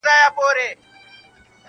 • زولنې را څخه تښتي کنه راغلم تر زندانه -